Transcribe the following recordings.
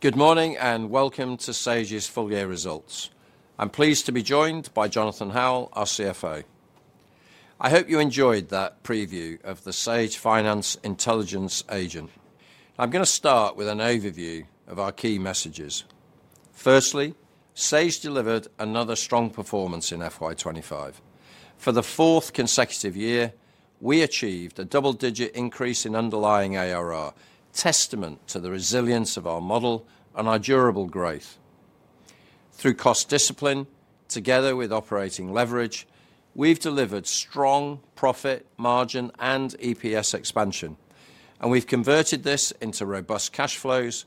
Good morning and welcome to Sage's full year results. I'm pleased to be joined by Jonathan Howell, our CFO. I hope you enjoyed that preview of the Sage Finance Intelligence Agent. I'm going to start with an overview of our key messages. Firstly, Sage delivered another strong performance in FY2025. For the fourth consecutive year, we achieved a double-digit increase in underlying ARR, testament to the resilience of our model and our durable growth. Through cost discipline, together with operating leverage, we've delivered strong profit margin and EPS expansion, and we've converted this into robust cash flows,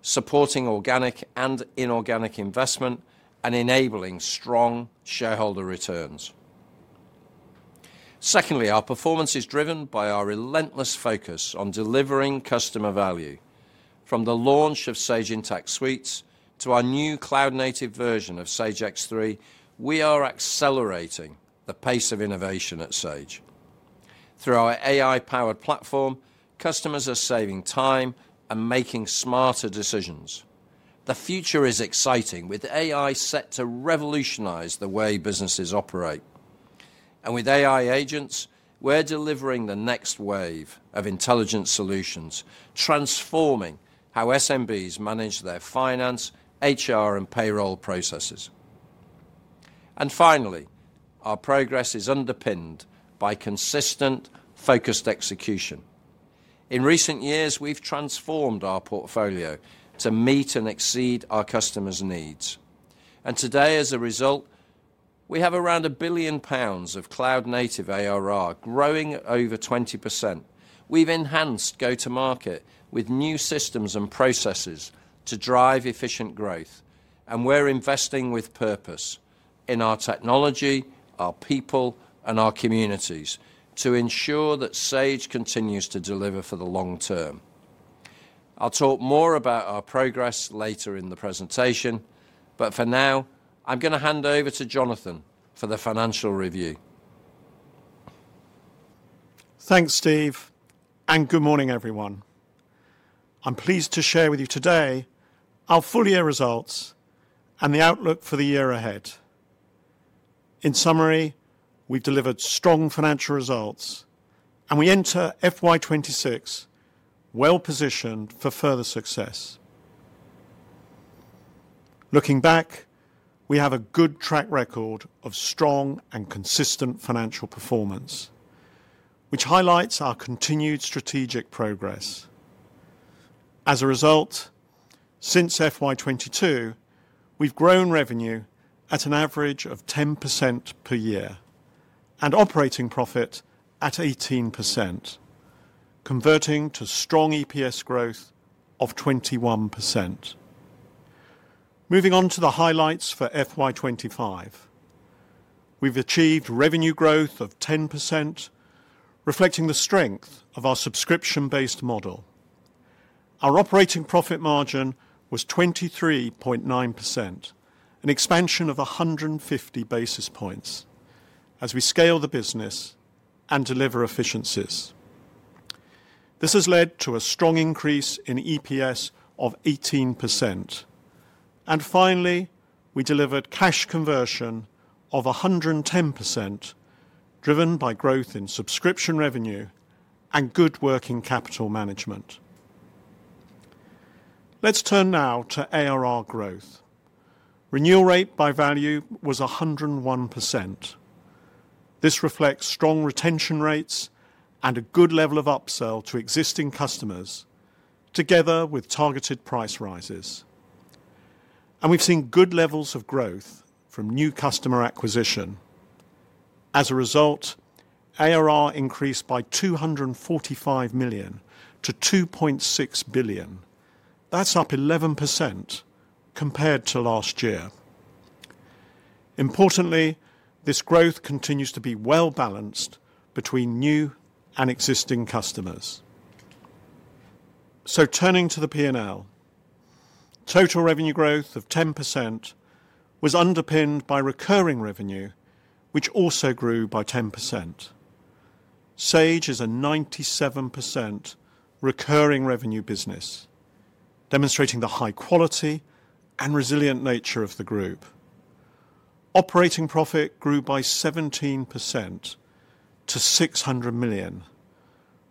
supporting organic and inorganic investment and enabling strong shareholder returns. Secondly, our performance is driven by our relentless focus on delivering customer value. From the launch of Sage Intacct Suites to our new cloud-native version of Sage X3, we are accelerating the pace of innovation at Sage. Through our AI-powered platform, customers are saving time and making smarter decisions. The future is exciting, with AI set to revolutionize the way businesses operate. With AI agents, we're delivering the next wave of intelligent solutions, transforming how SMBs manage their finance, HR, and payroll processes. Finally, our progress is underpinned by consistent, focused execution. In recent years, we've transformed our portfolio to meet and exceed our customers' needs. Today, as a result, we have around 1 billion pounds of cloud-native ARR growing over 20%. We've enhanced go-to-market with new systems and processes to drive efficient growth, and we're investing with purpose in our technology, our people, and our communities to ensure that Sage continues to deliver for the long term. I'll talk more about our progress later in the presentation, but for now, I'm going to hand over to Jonathan for the financial review. Thanks, Steve, and good morning, everyone. I'm pleased to share with you today our full year results and the outlook for the year ahead. In summary, we've delivered strong financial results, and we enter FY2026 well-positioned for further success. Looking back, we have a good track record of strong and consistent financial performance, which highlights our continued strategic progress. As a result, since FY2022, we've grown revenue at an average of 10% per year and operating profit at 18%, converting to strong EPS growth of 21%. Moving on to the highlights for FY2025, we've achieved revenue growth of 10%, reflecting the strength of our subscription-based model. Our operating profit margin was 23.9%, an expansion of 150 basis points as we scale the business and deliver efficiencies. This has led to a strong increase in EPS of 18%. Finally, we delivered cash conversion of 110%, driven by growth in subscription revenue and good working capital management. Let's turn now to ARR growth. Renewal rate by value was 101%. This reflects strong retention rates and a good level of upsell to existing customers, together with targeted price rises. We have seen good levels of growth from new customer acquisition. As a result, ARR increased by 245 million to 2.6 billion. That is up 11% compared to last year. Importantly, this growth continues to be well-balanced between new and existing customers. Turning to the P&L, total revenue growth of 10% was underpinned by recurring revenue, which also grew by 10%. Sage is a 97% recurring revenue business, demonstrating the high quality and resilient nature of the group. Operating profit grew by 17% to 600 million,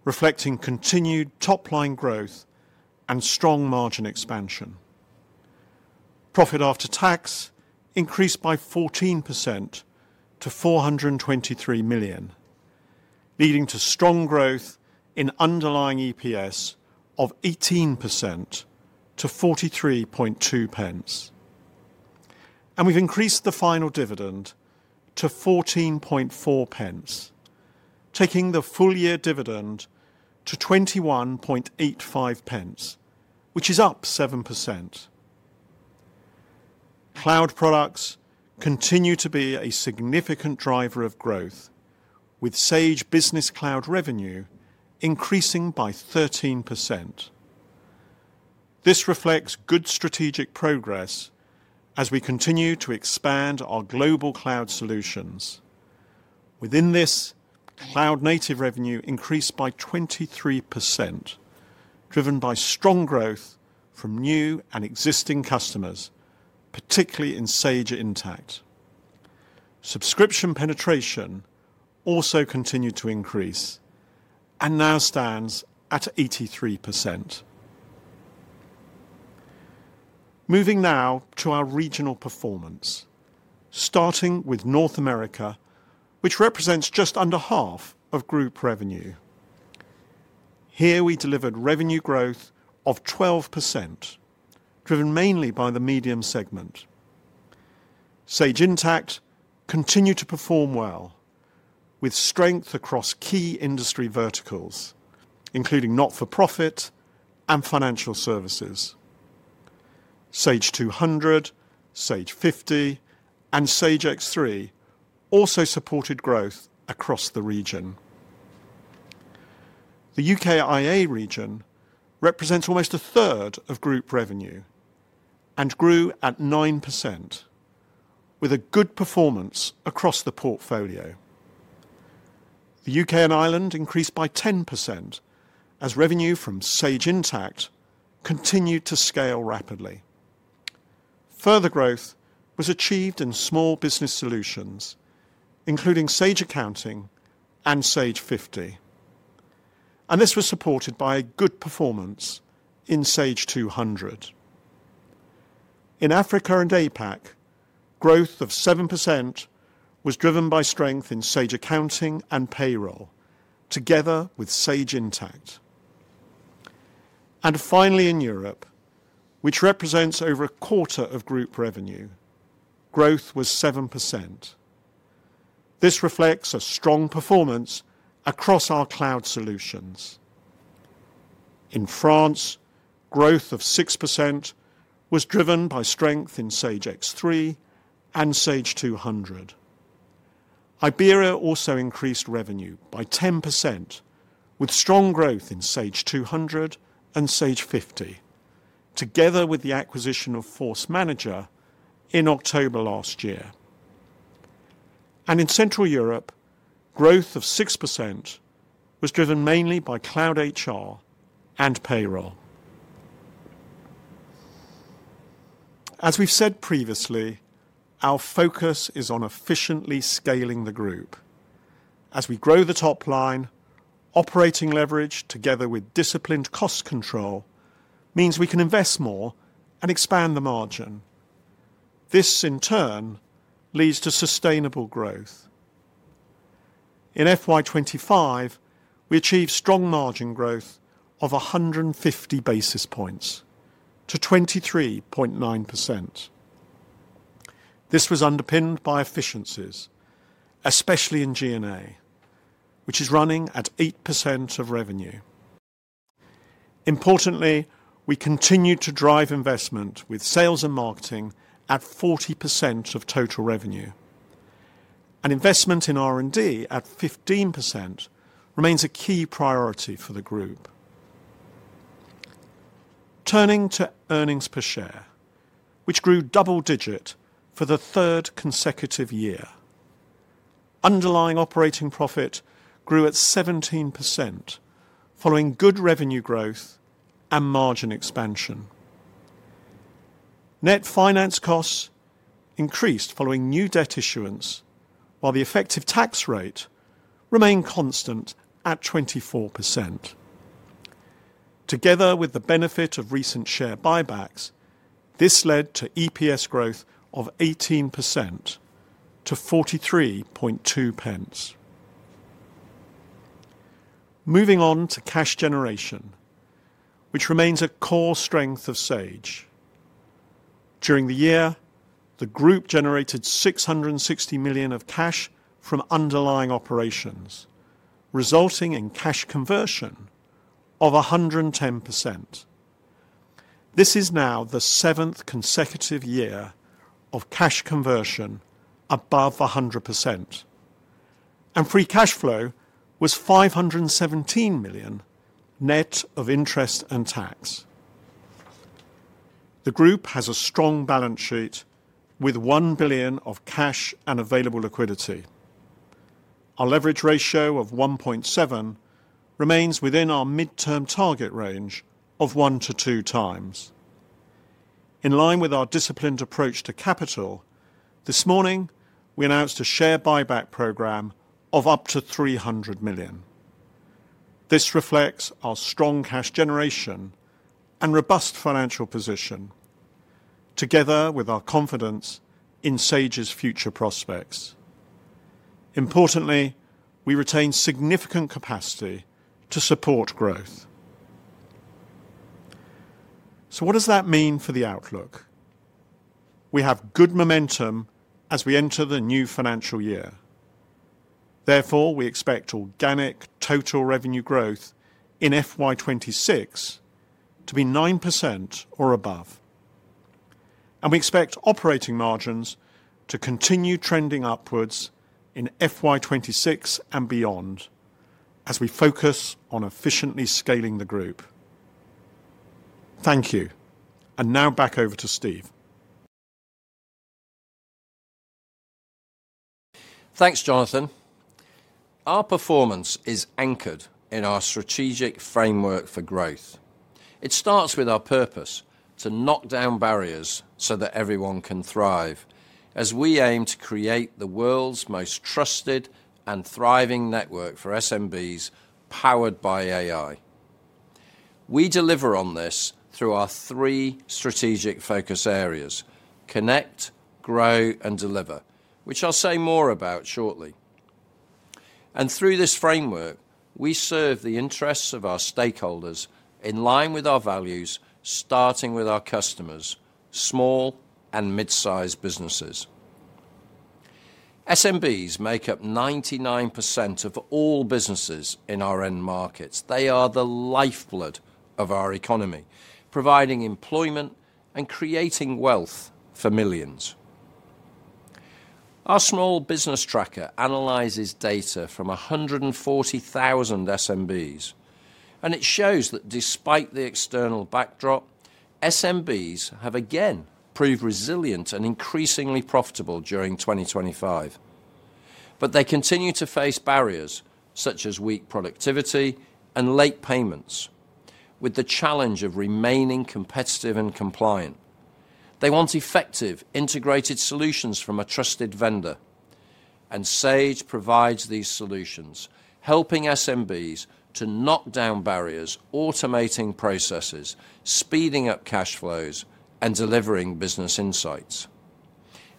reflecting continued top-line growth and strong margin expansion. Profit after tax increased by 14% to 423 million, leading to strong growth in underlying EPS of 18% to 43.2 pence. We have increased the final dividend to 14.4 pence, taking the full year dividend to 21.85 pence, which is up 7%. Cloud products continue to be a significant driver of growth, with Sage Business Cloud revenue increasing by 13%. This reflects good strategic progress as we continue to expand our global cloud solutions. Within this, cloud-native revenue increased by 23%, driven by strong growth from new and existing customers, particularly in Sage Intacct. Subscription penetration also continued to increase and now stands at 83%. Moving now to our regional performance, starting with North America, which represents just under half of group revenue. Here we delivered revenue growth of 12%, driven mainly by the medium segment. Sage Intacct continued to perform well, with strength across key industry verticals, including not-for-profit and financial services. Sage 200, Sage 50, and Sage X3 also supported growth across the region. The UKIA region represents almost a third of group revenue and grew at 9%, with a good performance across the portfolio. The U.K. and Ireland increased by 10% as revenue from Sage Intacct continued to scale rapidly. Further growth was achieved in small business solutions, including Sage Accounting and Sage 50. This was supported by good performance in Sage 200. In Africa and APAC, growth of 7% was driven by strength in Sage Accounting and payroll, together with Sage Intacct. Finally, in Europe, which represents over a quarter of group revenue, growth was 7%. This reflects a strong performance across our cloud solutions. In France, growth of 6% was driven by strength in Sage X3 and Sage 200. Iberia also increased revenue by 10%, with strong growth in Sage 200 and Sage 50, together with the acquisition of ForceManager in October last year. In Central Europe, growth of 6% was driven mainly by cloud HR and payroll. As we've said previously, our focus is on efficiently scaling the group. As we grow the top line, operating leverage, together with disciplined cost control, means we can invest more and expand the margin. This, in turn, leads to sustainable growth. In fiscal year 2025, we achieved strong margin growth of 150 basis points to 23.9%. This was underpinned by efficiencies, especially in G&A, which is running at 8% of revenue. Importantly, we continue to drive investment with sales and marketing at 40% of total revenue. Investment in R&D at 15% remains a key priority for the group. Turning to earnings per share, which grew double-digit for the third consecutive year. Underlying operating profit grew at 17%, following good revenue growth and margin expansion. Net finance costs increased following new debt issuance, while the effective tax rate remained constant at 24%. Together with the benefit of recent share buybacks, this led to EPS growth of 18% to 43.2 pence. Moving on to cash generation, which remains a core strength of Sage. During the year, the group generated 660 million of cash from underlying operations, resulting in cash conversion of 110%. This is now the seventh consecutive year of cash conversion above 100%. Free cash flow was 517 million net of interest and tax. The group has a strong balance sheet with 1 billion of cash and available liquidity. Our leverage ratio of 1.7 remains within our midterm target range of one to two times. In line with our disciplined approach to capital, this morning, we announced a share buyback program of up to 300 million. This reflects our strong cash generation and robust financial position, together with our confidence in Sage's future prospects. Importantly, we retain significant capacity to support growth. What does that mean for the outlook? We have good momentum as we enter the new financial year. Therefore, we expect organic total revenue growth in FY 2026 to be 9% or above. We expect operating margins to continue trending upwards in FY 2026 and beyond as we focus on efficiently scaling the group. Thank you. Now back over to Steve. Thanks, Jonathan. Our performance is anchored in our strategic framework for growth. It starts with our purpose to knock down barriers so that everyone can thrive, as we aim to create the world's most trusted and thriving network for SMBs powered by AI. We deliver on this through our three strategic focus areas: connect, grow, and deliver, which I'll say more about shortly. Through this framework, we serve the interests of our stakeholders in line with our values, starting with our customers, small and mid-sized businesses. SMBs make up 99% of all businesses in our end markets. They are the lifeblood of our economy, providing employment and creating wealth for millions. Our small business tracker analyzes data from 140,000 SMBs, and it shows that despite the external backdrop, SMBs have again proved resilient and increasingly profitable during 2025. They continue to face barriers such as weak productivity and late payments, with the challenge of remaining competitive and compliant. They want effective, integrated solutions from a trusted vendor, and Sage provides these solutions, helping SMBs to knock down barriers, automating processes, speeding up cash flows, and delivering business insights.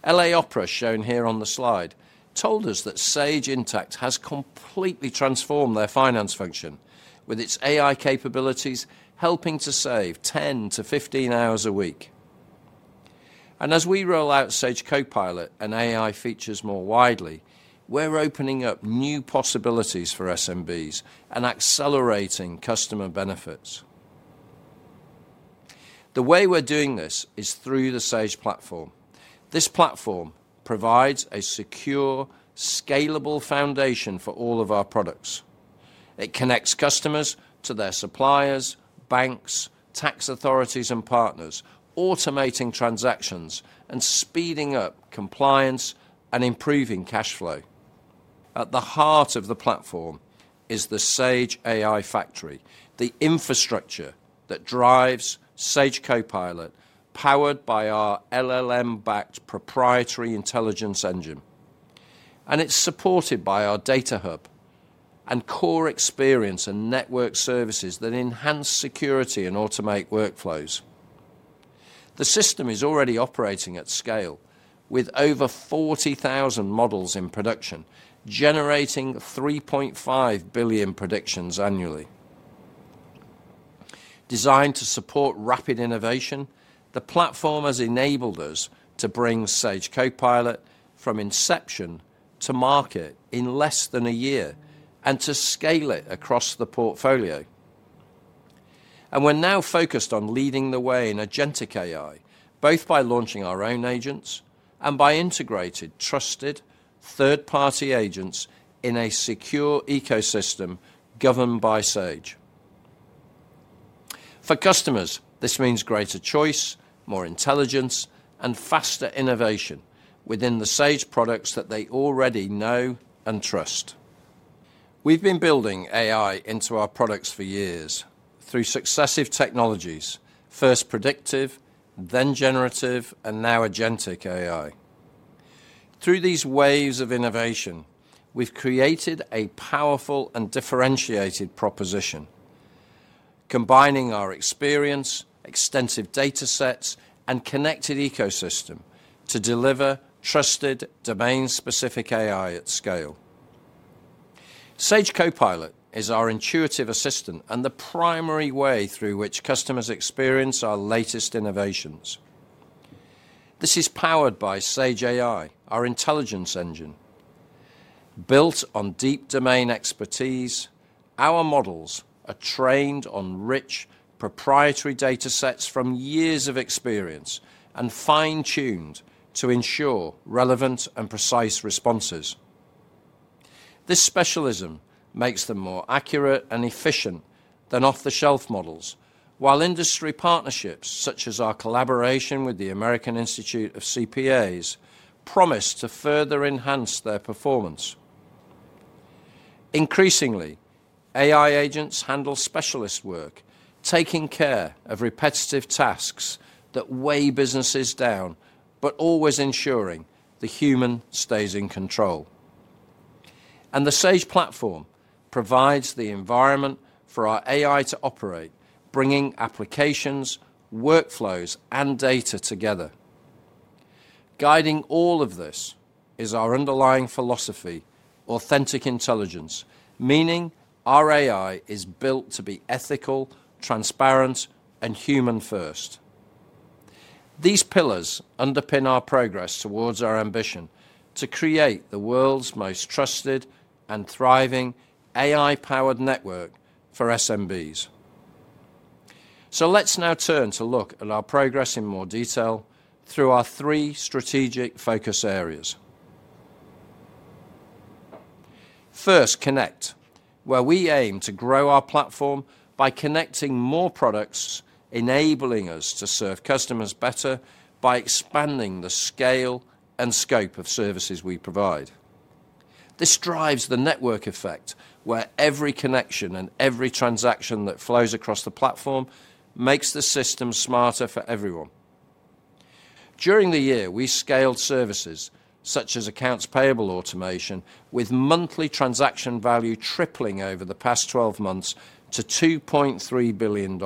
LA Opera, shown here on the slide, told us that Sage Intacct has completely transformed their finance function, with its AI capabilities helping to save 10-15 hours a week. As we roll out Sage Copilot and AI features more widely, we're opening up new possibilities for SMBs and accelerating customer benefits. The way we're doing this is through the Sage platform. This platform provides a secure, scalable foundation for all of our products. It connects customers to their suppliers, banks, tax authorities, and partners, automating transactions and speeding up compliance and improving cash flow. At the heart of the platform is the Sage AI factory, the infrastructure that drives Sage Copilot, powered by our LLM-backed proprietary intelligence engine. It is supported by our data hub and core experience and network services that enhance security and automate workflows. The system is already operating at scale, with over 40,000 models in production, generating 3.5 billion predictions annually. Designed to support rapid innovation, the platform has enabled us to bring Sage Copilot from inception to market in less than a year and to scale it across the portfolio. We are now focused on leading the way in agentic AI, both by launching our own agents and by integrating trusted third-party agents in a secure ecosystem governed by Sage. For customers, this means greater choice, more intelligence, and faster innovation within the Sage products that they already know and trust. We've been building AI into our products for years through successive technologies, first predictive, then generative, and now agentic AI. Through these waves of innovation, we've created a powerful and differentiated proposition, combining our experience, extensive data sets, and connected ecosystem to deliver trusted domain-specific AI at scale. Sage Copilot is our intuitive assistant and the primary way through which customers experience our latest innovations. This is powered by Sage AI, our intelligence engine. Built on deep domain expertise, our models are trained on rich proprietary data sets from years of experience and fine-tuned to ensure relevant and precise responses. This specialism makes them more accurate and efficient than off-the-shelf models, while industry partnerships, such as our collaboration with the American Institute of CPAs, promise to further enhance their performance. Increasingly, AI agents handle specialist work, taking care of repetitive tasks that weigh businesses down, but always ensuring the human stays in control. The Sage platform provides the environment for our AI to operate, bringing applications, workflows, and data together. Guiding all of this is our underlying philosophy, authentic intelligence, meaning our AI is built to be ethical, transparent, and human-first. These pillars underpin our progress towards our ambition to create the world's most trusted and thriving AI-powered network for SMBs. Let's now turn to look at our progress in more detail through our three strategic focus areas. First, connect, where we aim to grow our platform by connecting more products, enabling us to serve customers better by expanding the scale and scope of services we provide. This drives the network effect, where every connection and every transaction that flows across the platform makes the system smarter for everyone. During the year, we scaled services such as accounts payable automation, with monthly transaction value tripling over the past 12 months to $2.3 billion,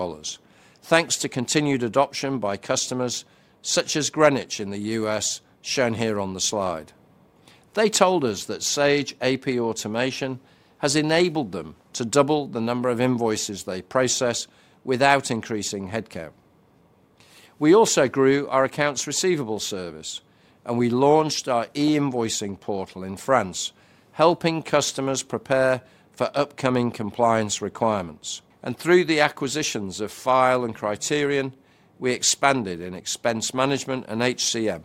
thanks to continued adoption by customers such as Greenwich in the U.S., shown here on the slide. They told us that Sage AP Automation has enabled them to double the number of invoices they process without increasing headcount. We also grew our accounts receivable service, and we launched our e-invoicing portal in France, helping customers prepare for upcoming compliance requirements. Through the acquisitions of File and Criterion, we expanded in expense management and HCM,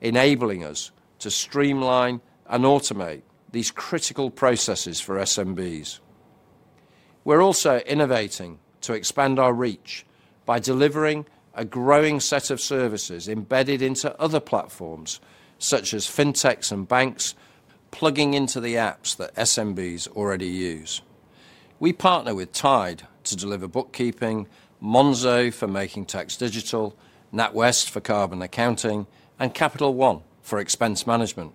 enabling us to streamline and automate these critical processes for SMBs. We're also innovating to expand our reach by delivering a growing set of services embedded into other platforms, such as fintechs and banks, plugging into the apps that SMBs already use. We partner with Tide to deliver bookkeeping, Monzo for making tax digital, NatWest for carbon accounting, and Capital One for expense management,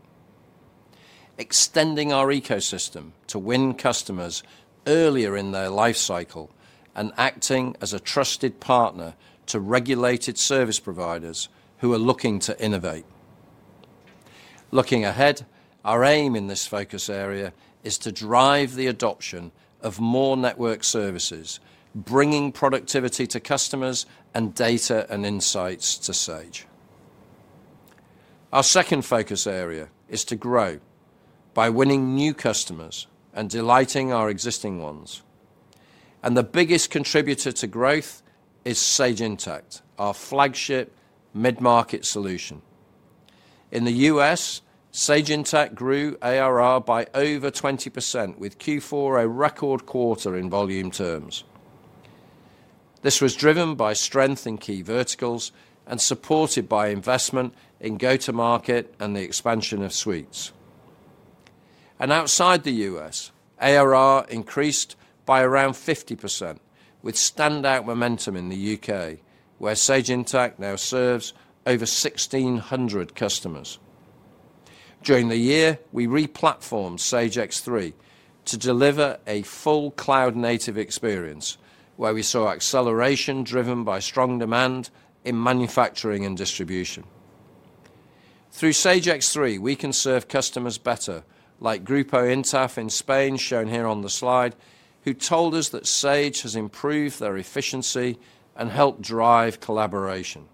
extending our ecosystem to win customers earlier in their life cycle and acting as a trusted partner to regulated service providers who are looking to innovate. Looking ahead, our aim in this focus area is to drive the adoption of more network services, bringing productivity to customers and data and insights to Sage. Our second focus area is to grow by winning new customers and delighting our existing ones. The biggest contributor to growth is Sage Intacct, our flagship mid-market solution. In the U.S., Sage Intacct grew ARR by over 20%, with Q4 a record quarter in volume terms. This was driven by strength in key verticals and supported by investment in go-to-market and the expansion of suites. Outside the U.S., ARR increased by around 50%, with standout momentum in the U.K., where Sage Intacct now serves over 1,600 customers. During the year, we replatformed Sage X3 to deliver a full cloud-native experience, where we saw acceleration driven by strong demand in manufacturing and distribution. Through Sage X3, we can serve customers better, like Grupo Intaf in Spain, shown here on the slide, who told us that Sage has improved their efficiency and helped drive collaboration.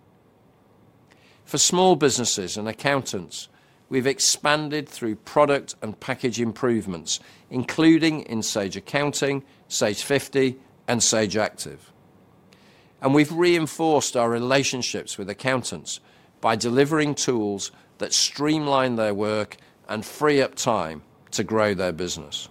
For small businesses and accountants, we've expanded through product and package improvements, including in Sage Accounting, Sage 50, and Sage Active. We have reinforced our relationships with accountants by delivering tools that streamline their work and free up time to grow their business.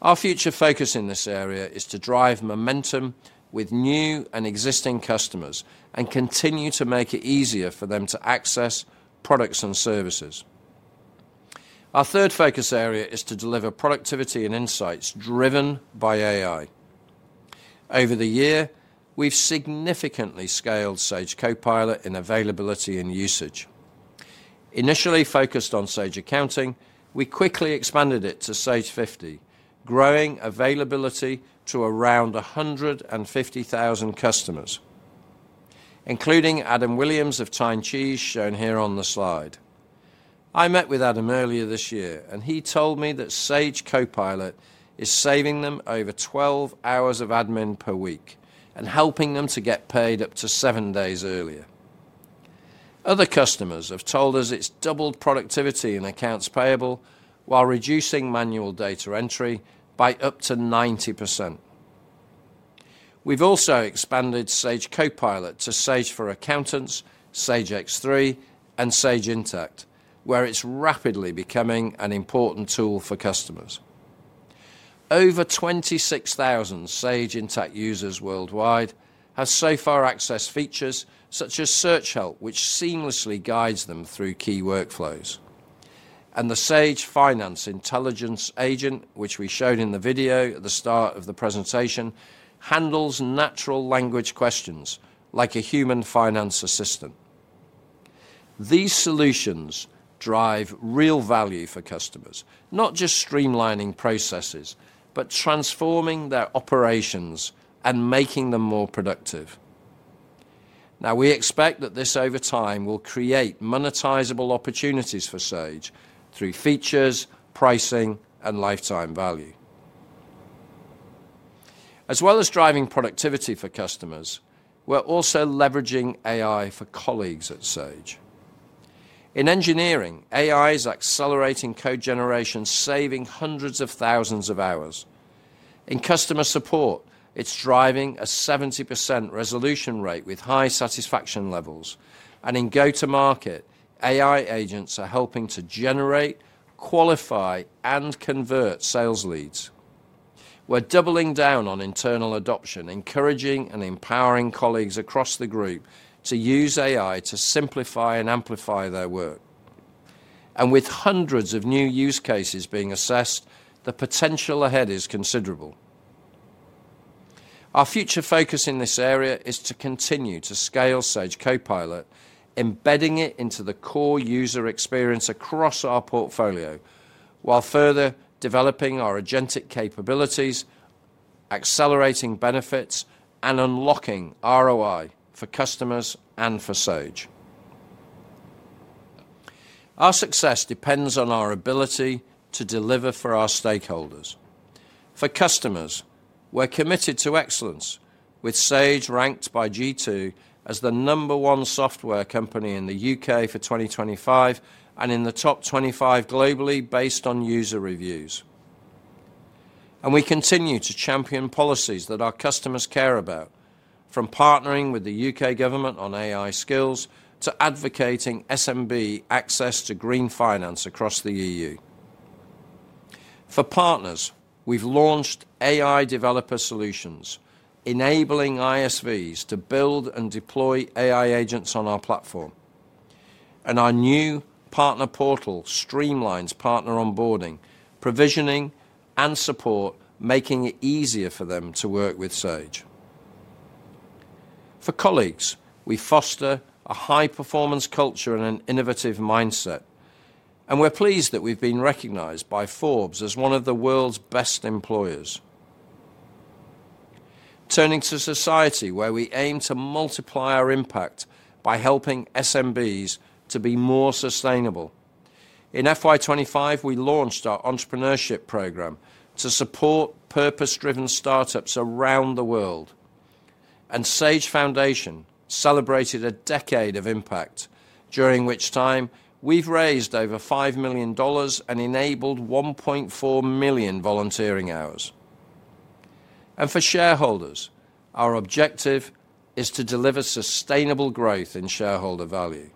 Our future focus in this area is to drive momentum with new and existing customers and continue to make it easier for them to access products and services. Our third focus area is to deliver productivity and insights driven by AI. Over the year, we have significantly scaled Sage Copilot in availability and usage. Initially focused on Sage Accounting, we quickly expanded it to Sage 50, growing availability to around 150,000 customers, including Adam Williams of Tyne Chease, shown here on the slide. I met with Adam earlier this year, and he told me that Sage Copilot is saving them over 12 hours of admin per week and helping them to get paid up to seven days earlier. Other customers have told us it's doubled productivity in accounts payable while reducing manual data entry by up to 90%. We have also expanded Sage Copilot to Sage for Accountants, Sage X3, and Sage Intacct, where it's rapidly becoming an important tool for customers. Over 26,000 Sage Intacct users worldwide have so far accessed features such as Search Help, which seamlessly guides them through key workflows. The Sage Finance Intelligence Agent, which we showed in the video at the start of the presentation, handles natural language questions like a human finance assistant. These solutions drive real value for customers, not just streamlining processes, but transforming their operations and making them more productive. We expect that this over time will create monetizable opportunities for Sage through features, pricing, and lifetime value. As well as driving productivity for customers, we are also leveraging AI for colleagues at Sage. In engineering, AI is accelerating code generation, saving hundreds of thousands of hours. In customer support, it's driving a 70% resolution rate with high satisfaction levels. In go-to-market, AI agents are helping to generate, qualify, and convert sales leads. We're doubling down on internal adoption, encouraging and empowering colleagues across the group to use AI to simplify and amplify their work. With hundreds of new use cases being assessed, the potential ahead is considerable. Our future focus in this area is to continue to scale Sage Copilot, embedding it into the core user experience across our portfolio, while further developing our agentic capabilities, accelerating benefits, and unlocking ROI for customers and for Sage. Our success depends on our ability to deliver for our stakeholders. For customers, we're committed to excellence, with Sage ranked by G2 as the number one software company in the U.K. for 2025 and in the top 25 globally based on user reviews. We continue to champion policies that our customers care about, from partnering with the U.K. government on AI skills to advocating SMB access to green finance across the EU. For partners, we've launched AI developer solutions, enabling ISVs to build and deploy AI agents on our platform. Our new partner portal streamlines partner onboarding, provisioning, and support, making it easier for them to work with Sage. For colleagues, we foster a high-performance culture and an innovative mindset. We're pleased that we've been recognized by Forbes as one of the world's best employers. Turning to society, where we aim to multiply our impact by helping SMBs to be more sustainable. In FY2025, we launched our entrepreneurship program to support purpose-driven startups around the world. Sage Foundation celebrated a decade of impact, during which time we've raised over $5 million and enabled 1.4 million volunteering hours. For shareholders, our objective is to deliver sustainable growth in shareholder value.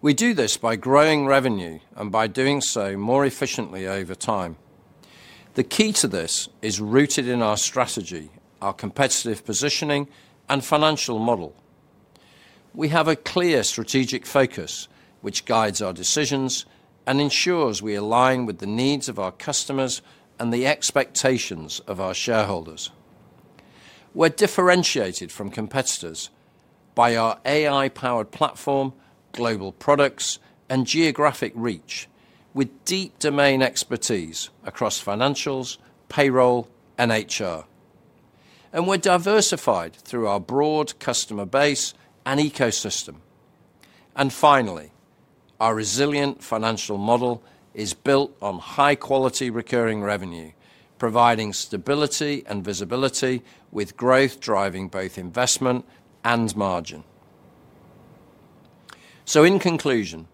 We do this by growing revenue and by doing so more efficiently over time. The key to this is rooted in our strategy, our competitive positioning, and financial model. We have a clear strategic focus, which guides our decisions and ensures we align with the needs of our customers and the expectations of our shareholders. We are differentiated from competitors by our AI-powered platform, global products, and geographic reach, with deep domain expertise across financials, payroll, and HR. We are diversified through our broad customer base and ecosystem. Finally, our resilient financial model is built on high-quality recurring revenue, providing stability and visibility with growth driving both investment and margin. In conclusion,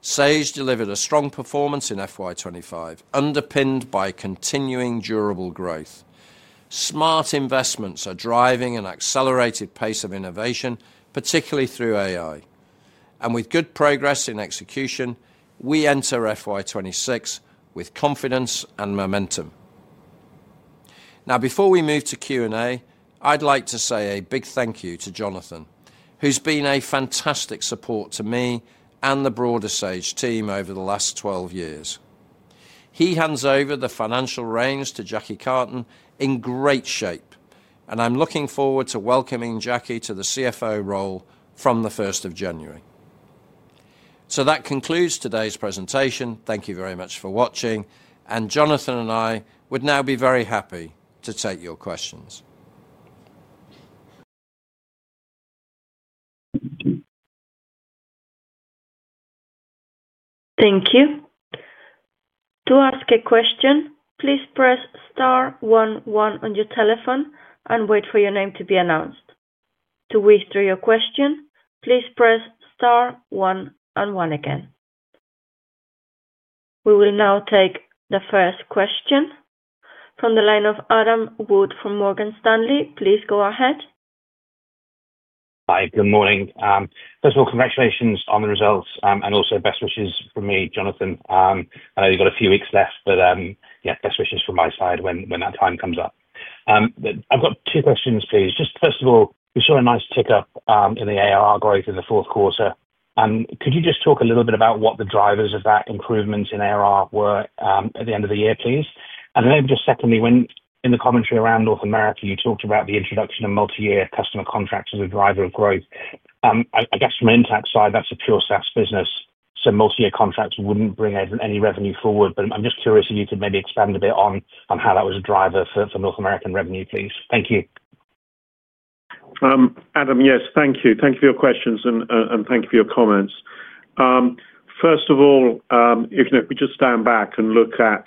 Sage delivered a strong performance in FY 2025, underpinned by continuing durable growth. Smart investments are driving an accelerated pace of innovation, particularly through AI. With good progress in execution, we enter FY 2026 with confidence and momentum. Before we move to Q&A, I'd like to say a big thank you to Jonathan, who's been a fantastic support to me and the broader Sage team over the last 12 years. He hands over the financial reins to Jacqui Cartin in great shape. I'm looking forward to welcoming Jacqui to the CFO role from the 1st of January. That concludes today's presentation. Thank you very much for watching. Jonathan and I would now be very happy to take your questions. Thank you. To ask a question, please press star 11 on your telephone and wait for your name to be announced. To whisper your question, please press star 11 again. We will now take the first question from the line of Adam Wood from Morgan Stanley. Please go ahead. Hi, good morning. First of all, congratulations on the results and also best wishes from me, Jonathan. I know you've got a few weeks left, but yeah, best wishes from my side when that time comes up. I've got two questions, please. Just first of all, we saw a nice tick up in the ARR growth in the fourth quarter. And could you just talk a little bit about what the drivers of that improvement in ARR were at the end of the year, please? Maybe just secondly, when in the commentary around North America, you talked about the introduction of multi-year customer contracts as a driver of growth. I guess from an Intacct side, that's a pure SaaS business. Multi-year contracts would not bring any revenue forward. I am just curious if you could maybe expand a bit on how that was a driver for North American revenue, please. Thank you. Adam, yes, thank you. Thank you for your questions and thank you for your comments. First of all, if we just stand back and look at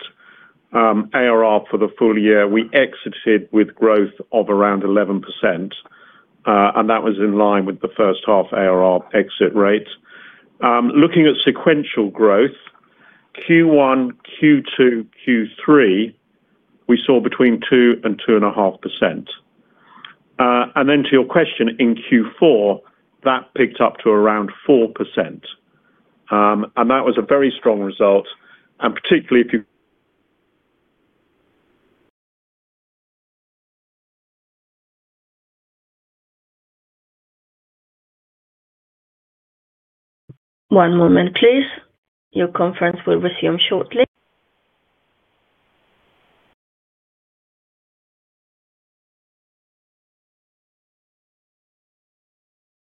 ARR for the full year, we exited with growth of around 11%. That was in line with the first half ARR exit rate. Looking at sequential growth, Q1, Q2, Q3, we saw between 2-2.5%. To your question, in Q4, that picked up to around 4%. That was a very strong result, and particularly if you— One moment, please. Your conference will resume shortly.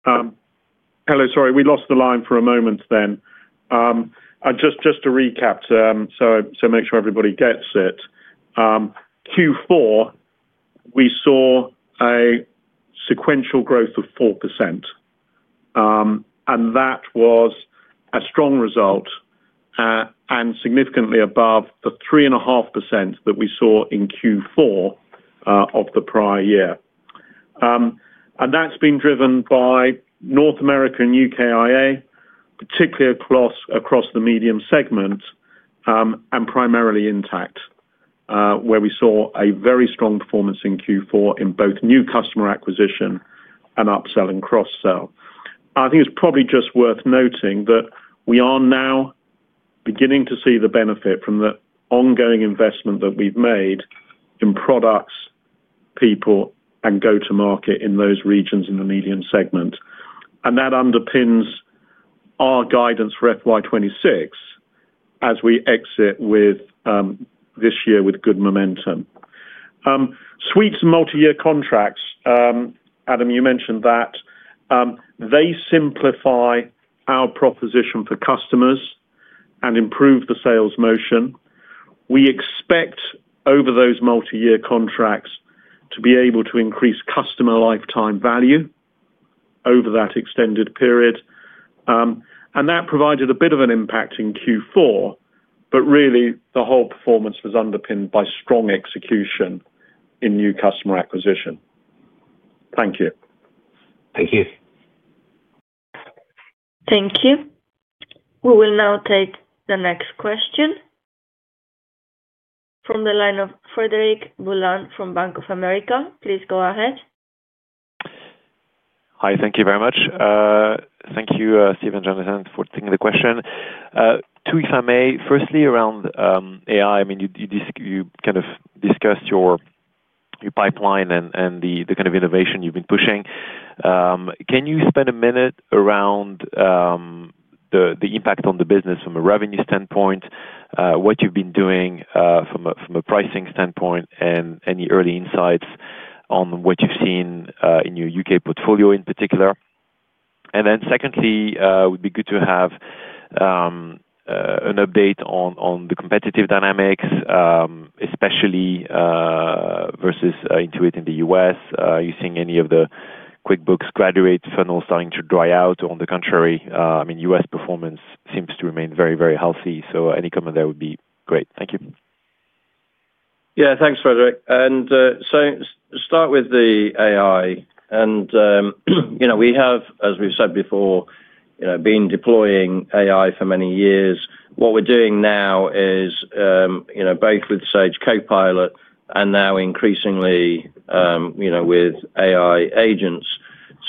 Hello, sorry, we lost the line for a moment then. Just to recap to make sure everybody gets it. Q4, we saw a sequential growth of 4%. That was a strong result and significantly above the 3.5% that we saw in Q4 of the prior year. That has been driven by North America and UKIA, particularly across the medium segment and primarily Intacct, where we saw a very strong performance in Q4 in both new customer acquisition and upsell and cross-sell. I think it is probably just worth noting that we are now beginning to see the benefit from the ongoing investment that we have made in products, people, and go-to-market in those regions in the medium segment. That underpins our guidance for FY2026 as we exit this year with good momentum. Suites and multi-year contracts, Adam, you mentioned that they simplify our proposition for customers and improve the sales motion. We expect over those multi-year contracts to be able to increase customer lifetime value over that extended period. That provided a bit of an impact in Q4, but really the whole performance was underpinned by strong execution in new customer acquisition. Thank you. Thank you. Thank you. We will now take the next question from the line of Frédéric Boulan from Bank of America. Please go ahead. Hi, thank you very much. Thank you, Steve and Jonathan, for taking the question. If I may, firstly around AI, I mean, you kind of discussed your pipeline and the kind of innovation you've been pushing. Can you spend a minute around the impact on the business from a revenue standpoint, what you've been doing from a pricing standpoint, and any early insights on what you've seen in your U.K. portfolio in particular? Secondly, it would be good to have an update on the competitive dynamics, especially versus Intuit in the U.S. Are you seeing any of the QuickBooks graduate funnels starting to dry out, or on the contrary, I mean, U.S. performance seems to remain very, very healthy? Any comment there would be great. Thank you. Yeah, thanks, Frederic. Start with the AI. We have, as we've said before, been deploying AI for many years. What we're doing now is both with Sage Copilot and now increasingly with AI agents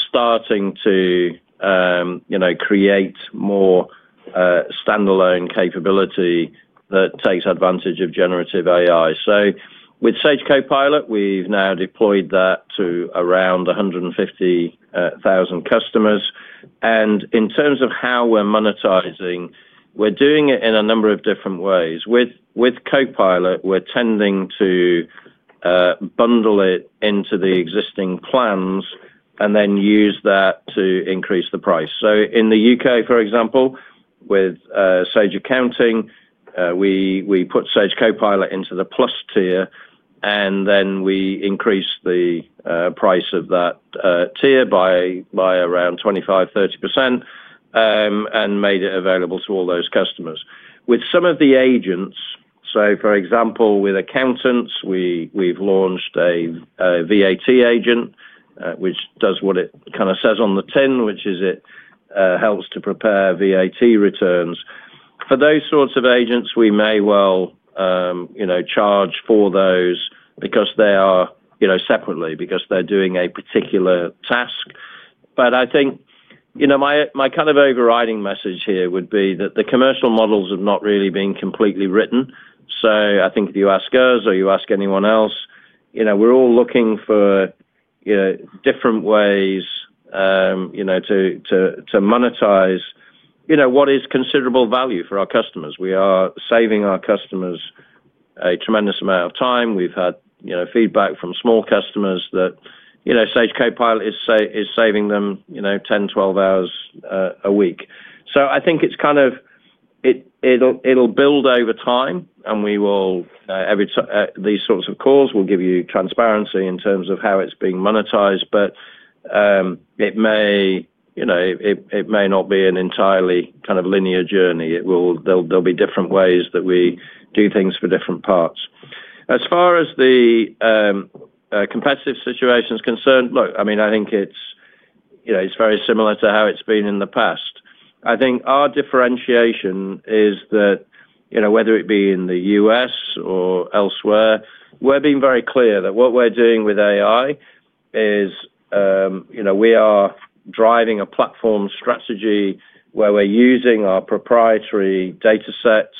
starting to create more standalone capability that takes advantage of generative AI. With Sage Copilot, we've now deployed that to around 150,000 customers. In terms of how we're monetizing, we're doing it in a number of different ways. With Copilot, we're tending to bundle it into the existing plans and then use that to increase the price. In the U.K., for example, with Sage Accounting, we put Sage Copilot into the plus tier, and then we increased the price of that tier by around 25-30% and made it available to all those customers. With some of the agents, for example, with accountants, we've launched a VAT agent, which does what it kind of says on the tin, which is it helps to prepare VAT returns. For those sorts of agents, we may well charge for those separately, because they're doing a particular task. I think my kind of overriding message here would be that the commercial models have not really been completely written. I think if you ask us or you ask anyone else, we're all looking for different ways to monetize what is considerable value for our customers. We are saving our customers a tremendous amount of time. We've had feedback from small customers that Sage Copilot is saving them 10-12 hours a week. I think it'll build over time, and these sorts of calls will give you transparency in terms of how it's being monetized, but it may not be an entirely kind of linear journey. There'll be different ways that we do things for different parts. As far as the competitive situation is concerned, look, I mean, I think it's very similar to how it's been in the past. I think our differentiation is that whether it be in the U.S. or elsewhere, we're being very clear that what we're doing with AI is we are driving a platform strategy where we're using our proprietary data sets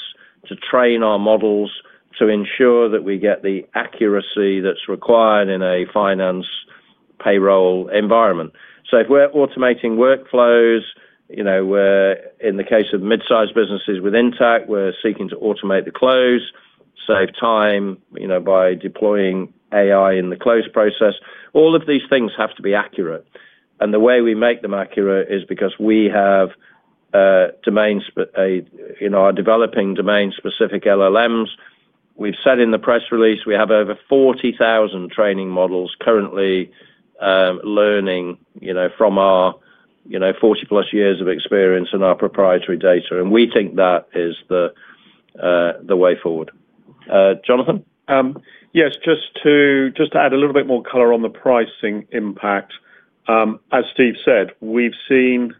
to train our models to ensure that we get the accuracy that's required in a finance payroll environment. If we're automating workflows, in the case of mid-size businesses with Intacct, we're seeking to automate the close, save time by deploying AI in the close process. All of these things have to be accurate. The way we make them accurate is because we have domains, our developing domain-specific LLMs. We've said in the press release, we have over 40,000 training models currently learning from our 40-plus years of experience and our proprietary data. We think that is the way forward. Jonathan? Yes, just to add a little bit more color on the pricing impact. As Steve said, we've seen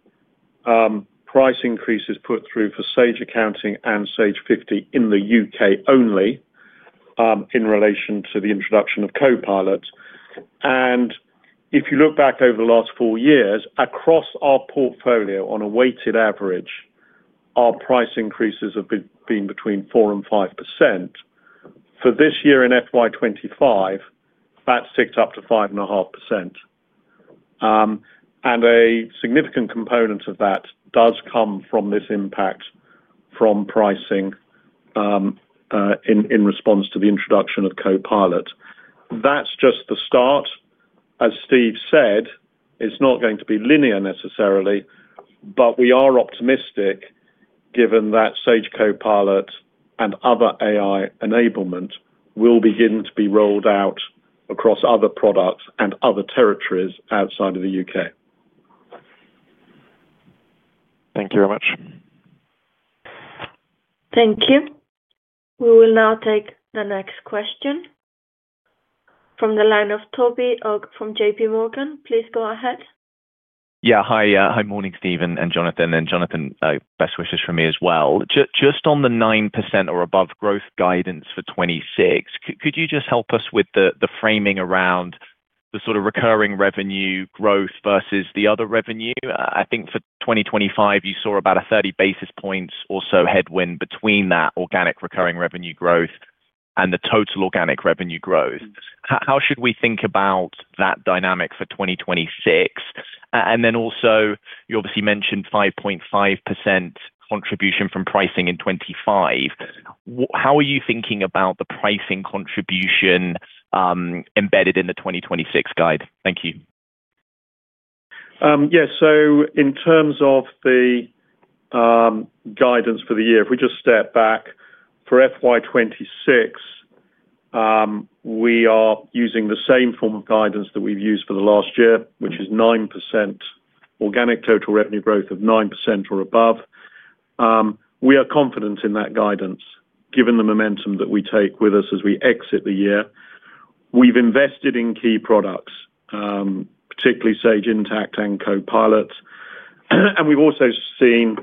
price increases put through for Sage Accounting and Sage 50 in the U.K. only in relation to the introduction of Copilot. If you look back over the last four years, across our portfolio, on a weighted average, our price increases have been between 4-5%. For this year in FY2025, that's ticked up to 5.5%. A significant component of that does come from this impact from pricing in response to the introduction of Copilot. That's just the start. As Steve said, it's not going to be linear necessarily, but we are optimistic given that Sage Copilot and other AI enablement will begin to be rolled out across other products and other territories outside of the U.K. Thank you very much. Thank you. We will now take the next question from the line of Toby Ogg from JP Morgan. Please go ahead. Yeah, hi. Hi, morning, Steve and Jonathan. And Jonathan, best wishes from me as well. Just on the 9% or above growth guidance for 2026, could you just help us with the framing around the sort of recurring revenue growth versus the other revenue? I think for 2025, you saw about a 30 basis points or so headwind between that organic recurring revenue growth and the total organic revenue growth. How should we think about that dynamic for 2026? And then also, you obviously mentioned 5.5% contribution from pricing in 2025. How are you thinking about the pricing contribution embedded in the 2026 guide? Thank you. Yeah, so in terms of the guidance for the year, if we just step back, for FY2026, we are using the same form of guidance that we've used for the last year, which is 9% organic total revenue growth of 9% or above. We are confident in that guidance given the momentum that we take with us as we exit the year. We've invested in key products, particularly Sage Intacct and Copilot. And we've also seen,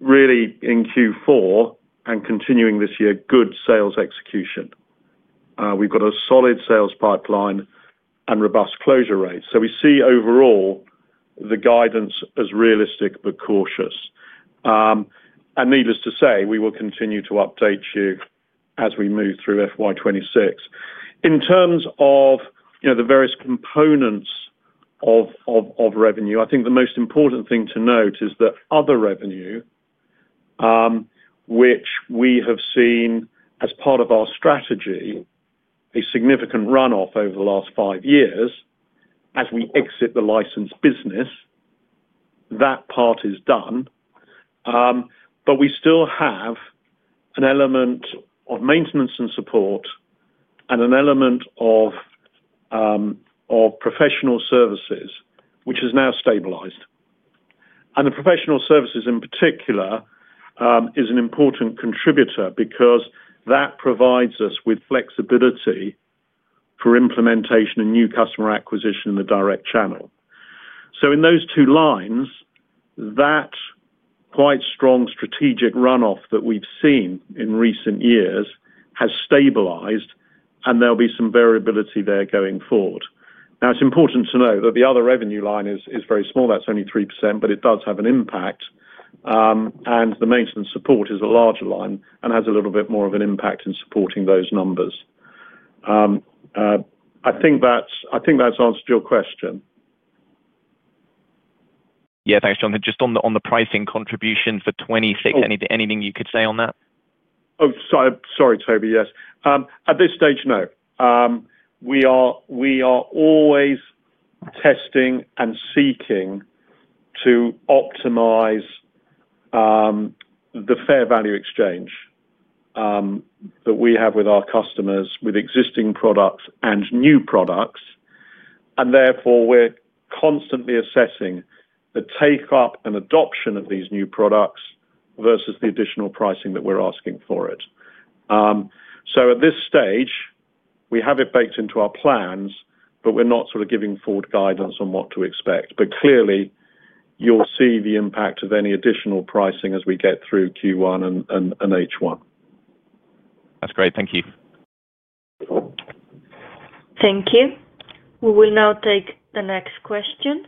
really in Q4 and continuing this year, good sales execution. We've got a solid sales pipeline and robust closure rates. We see overall the guidance as realistic but cautious. Needless to say, we will continue to update you as we move through FY2026. In terms of the various components of revenue, I think the most important thing to note is that other revenue, which we have seen as part of our strategy, a significant run-off over the last five years as we exit the licensed business, that part is done. We still have an element of maintenance and support and an element of professional services, which has now stabilized. The professional services in particular is an important contributor because that provides us with flexibility for implementation and new customer acquisition in the direct channel. In those two lines, that quite strong strategic run-off that we've seen in recent years has stabilized, and there'll be some variability there going forward. It is important to note that the other revenue line is very small. That's only 3%, but it does have an impact. The maintenance support is a larger line and has a little bit more of an impact in supporting those numbers. I think that's answered your question. Yeah, thanks, Jonathan. Just on the pricing contribution for 2026, anything you could say on that? Oh, sorry, Toby, yes. At this stage, no. We are always testing and seeking to optimize the fair value exchange that we have with our customers with existing products and new products. Therefore, we're constantly assessing the take-up and adoption of these new products versus the additional pricing that we're asking for it. At this stage, we have it baked into our plans, but we're not sort of giving forward guidance on what to expect. Clearly, you'll see the impact of any additional pricing as we get through Q1 and H1. That's great. Thank you. Thank you. We will now take the next question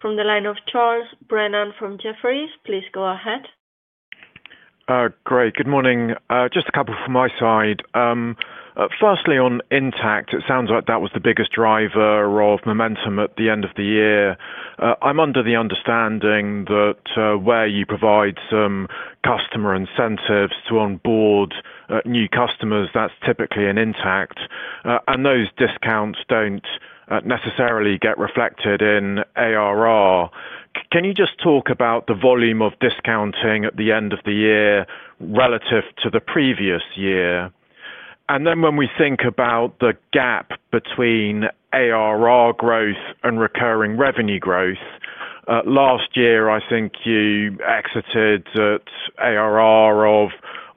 from the line of Charles Brennan from Jefferies, please go ahead. Great. Good morning. Just a couple from my side. Firstly, on Intacct, it sounds like that was the biggest driver of momentum at the end of the year. I'm under the understanding that where you provide some customer incentives to onboard new customers, that's typically in Intacct. And those discounts don't necessarily get reflected in ARR. Can you just talk about the volume of discounting at the end of the year relative to the previous year? When we think about the gap between ARR growth and recurring revenue growth, last year, I think you exited at ARR of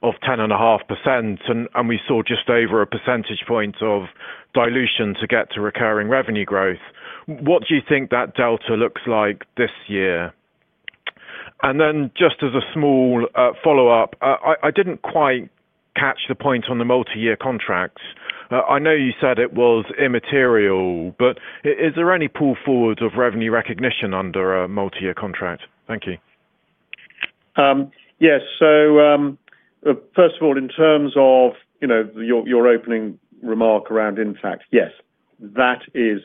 10.5%, and we saw just over a percentage point of dilution to get to recurring revenue growth. What do you think that delta looks like this year? And then just as a small follow-up, I did not quite catch the point on the multi-year contracts. I know you said it was immaterial, but is there any pull forward of revenue recognition under a multi-year contract? Thank you. Yes. First of all, in terms of your opening remark around Intacct, yes, that is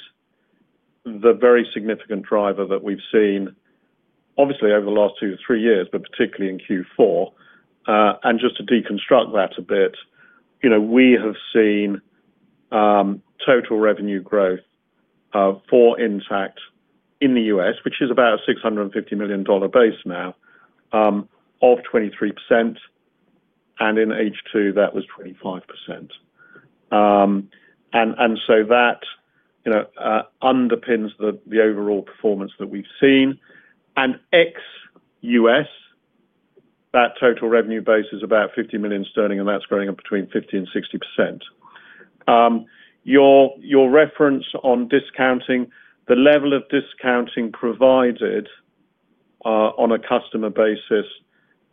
the very significant driver that we have seen, obviously, over the last two to three years, but particularly in Q4. Just to deconstruct that a bit, we have seen total revenue growth for Intacct in the US, which is about a $650 million base now, of 23%. In H2, that was 25%. That underpins the overall performance that we have seen. Ex-US, that total revenue base is about 50 million sterling, and that is growing up between 50% and 60%. Your reference on discounting, the level of discounting provided on a customer basis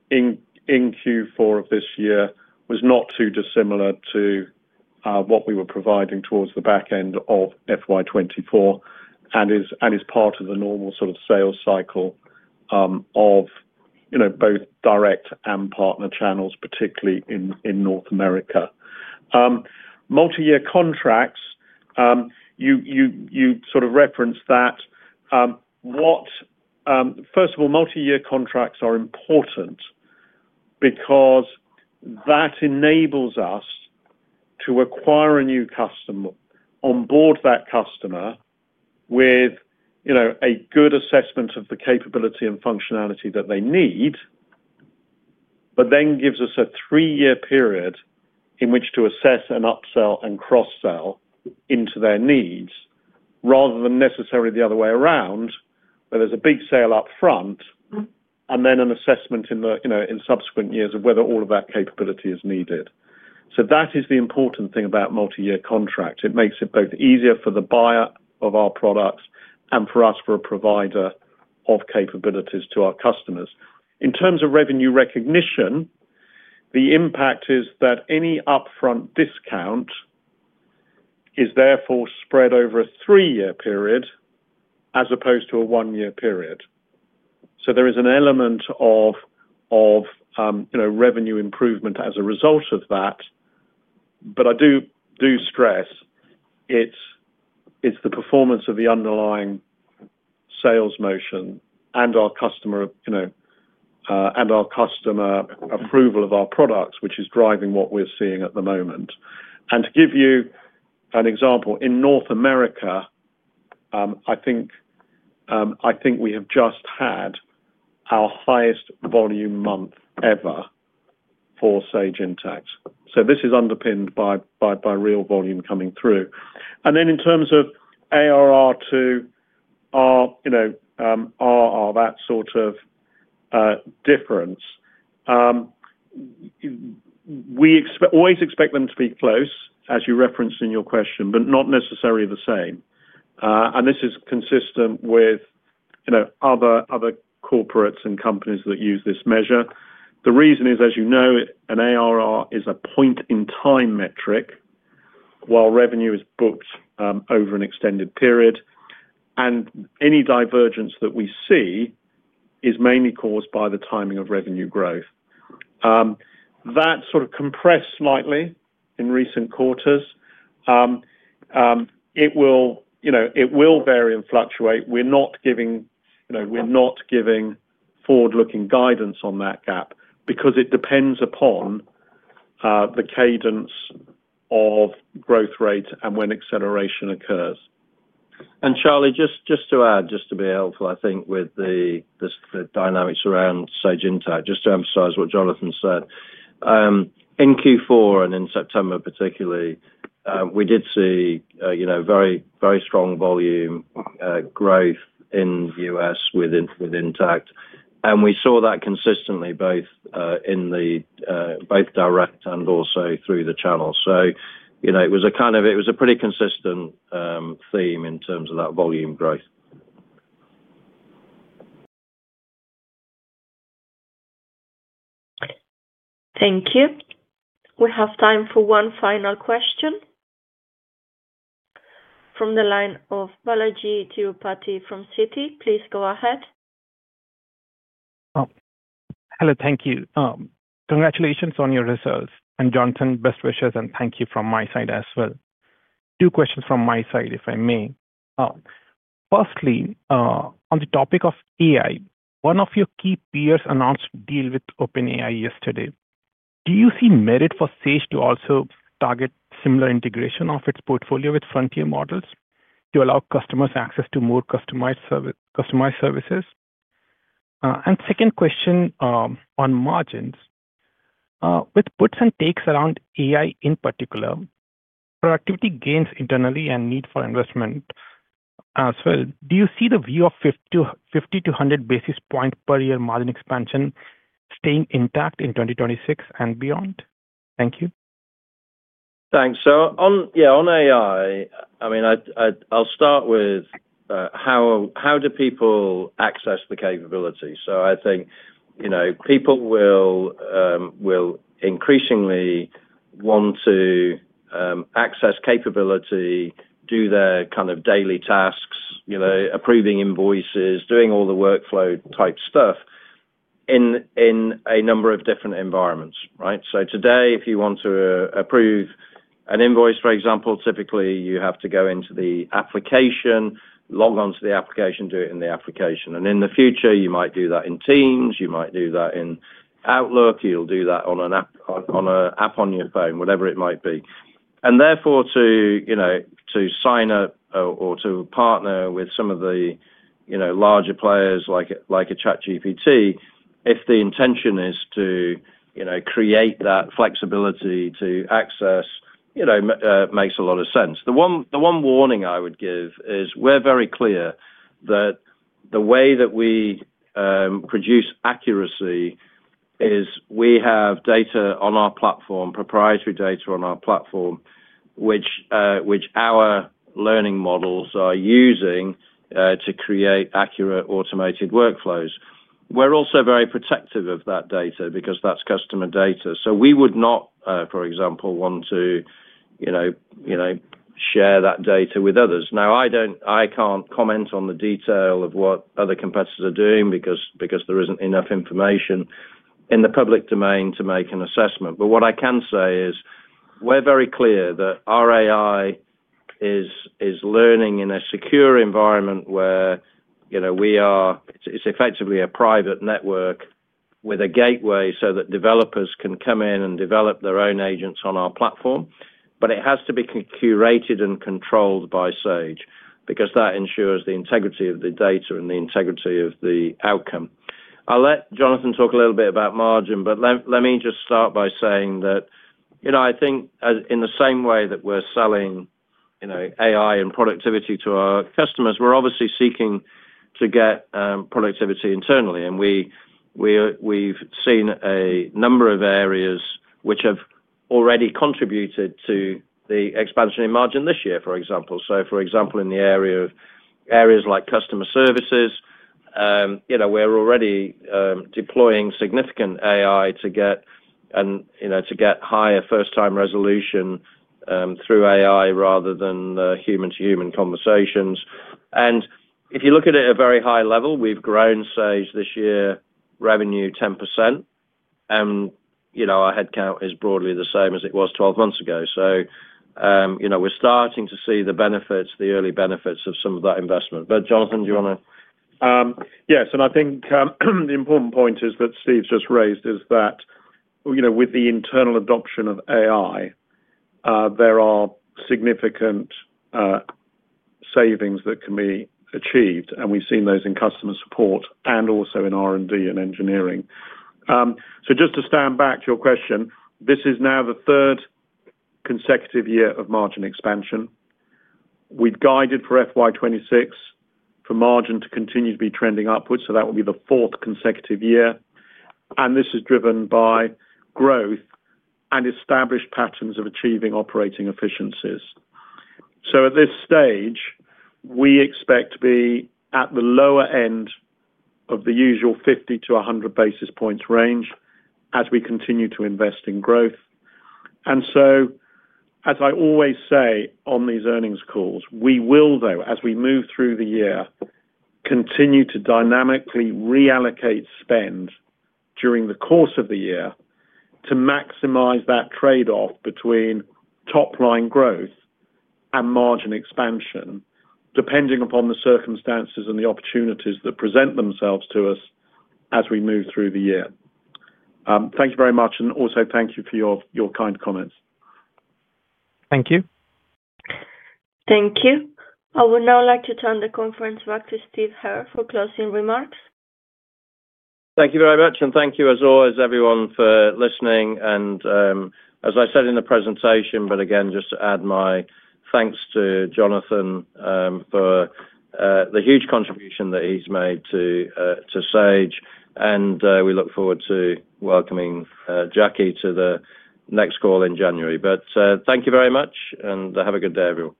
in Q4 of this year was not too dissimilar to what we were providing towards the back end of FY2024 and is part of the normal sort of sales cycle of both direct and partner channels, particularly in North America. Multi-year contracts, you sort of referenced that. First of all, multi-year contracts are important because that enables us to acquire a new customer, onboard that customer with a good assessment of the capability and functionality that they need, but then gives us a three-year period in which to assess and upsell and cross-sell into their needs rather than necessarily the other way around, where there is a big sale upfront and then an assessment in subsequent years of whether all of that capability is needed. That is the important thing about multi-year contracts. It makes it both easier for the buyer of our products and for us as a provider of capabilities to our customers. In terms of revenue recognition, the impact is that any upfront discount is therefore spread over a three-year period as opposed to a one-year period. There is an element of revenue improvement as a result of that. I do stress it is the performance of the underlying sales motion and our customer approval of our products, which is driving what we are seeing at the moment. To give you an example, in North America, I think we have just had our highest volume month ever for Sage Intacct. This is underpinned by real volume coming through. In terms of ARR to RR, that sort of difference, we always expect them to be close, as you referenced in your question, but not necessarily the same. This is consistent with other corporates and companies that use this measure. The reason is, as you know, an ARR is a point-in-time metric while revenue is booked over an extended period. Any divergence that we see is mainly caused by the timing of revenue growth. That is sort of compressed slightly in recent quarters. It will vary and fluctuate. We are not giving forward-looking guidance on that gap because it depends upon the cadence of growth rate and when acceleration occurs. Charlie, just to add, just to be helpful, I think, with the dynamics around Sage Intacct, just to emphasize what Jonathan said, in Q4 and in September, particularly, we did see very strong volume growth in the U.S. with Intacct. We saw that consistently both direct and also through the channel. It was a pretty consistent theme in terms of that volume growth. Thank you. We have time for one final question. From the line of Balaji Thirupathi from Citi, please go ahead. Hello. Thank you. Congratulations on your results. And Jonathan, best wishes and thank you from my side as well. Two questions from my side, if I may. Firstly, on the topic of AI, one of your key peers announced deal with OpenAI yesterday. Do you see merit for Sage to also target similar integration of its portfolio with frontier models to allow customers access to more customized services? Second question on margins. With puts and takes around AI in particular, productivity gains internally and need for investment as well. Do you see the view of 50-100 basis point per year margin expansion staying intact in 2026 and beyond? Thank you. Thanks. Yeah, on AI, I mean, I'll start with how do people access the capability? I think people will increasingly want to access capability, do their kind of daily tasks, approving invoices, doing all the workflow type stuff in a number of different environments, right? Today, if you want to approve an invoice, for example, typically you have to go into the application, log on to the application, do it in the application. In the future, you might do that in Teams, you might do that in Outlook, you'll do that on an app on your phone, whatever it might be. Therefore, to sign up or to partner with some of the larger players like a ChatGPT, if the intention is to create that flexibility to access, makes a lot of sense. The one warning I would give is we're very clear that the way that we produce accuracy is we have data on our platform, proprietary data on our platform, which our learning models are using to create accurate automated workflows. We're also very protective of that data because that's customer data. We would not, for example, want to share that data with others. Now, I can't comment on the detail of what other competitors are doing because there isn't enough information in the public domain to make an assessment. What I can say is we're very clear that our AI is learning in a secure environment where we are effectively a private network with a gateway so that developers can come in and develop their own agents on our platform. It has to be curated and controlled by Sage because that ensures the integrity of the data and the integrity of the outcome. I'll let Jonathan talk a little bit about margin, but let me just start by saying that I think in the same way that we're selling AI and productivity to our customers, we're obviously seeking to get productivity internally. We've seen a number of areas which have already contributed to the expansion in margin this year, for example. For example, in areas like customer services, we're already deploying significant AI to get higher first-time resolution through AI rather than human-to-human conversations. If you look at it at a very high level, we've grown Sage this year revenue 10%. Our headcount is broadly the same as it was 12 months ago. We're starting to see the benefits, the early benefits of some of that investment. Jonathan, do you want to? Yes. I think the important point is that Steve just raised is that with the internal adoption of AI, there are significant savings that can be achieved. We've seen those in customer support and also in R&D and engineering. Just to stand back to your question, this is now the third consecutive year of margin expansion. We've guided for fiscal year 2026 for margin to continue to be trending upwards. That will be the fourth consecutive year. This is driven by growth and established patterns of achieving operating efficiencies. At this stage, we expect to be at the lower end of the usual 50-100 basis points range as we continue to invest in growth. As I always say on these earnings calls, we will, though, as we move through the year, continue to dynamically reallocate spend during the course of the year to maximize that trade-off between top-line growth and margin expansion, depending upon the circumstances and the opportunities that present themselves to us as we move through the year. Thank you very much. And also thank you for your kind comments. Thank you. Thank you. I would now like to turn the conference back to Steve Hare for closing remarks. Thank you very much. And thank you, as always, everyone, for listening. As I said in the presentation, but again, just to add my thanks to Jonathan for the huge contribution that he has made to Sage. We look forward to welcoming Jacqui to the next call in January. Thank you very much, and have a good day, everyone.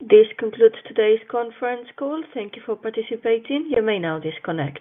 This concludes today's conference call. Thank you for participating. You may now disconnect.